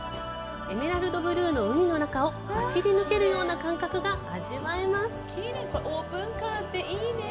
エメラルドブルーの海の中を走り抜けるような感覚が味わえますオープンカーっていいね